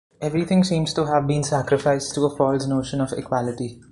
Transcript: Everything seems to have been sacrificed to a false notion of equality.